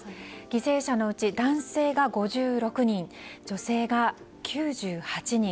犠牲者のうち男性が５６人女性が９８人。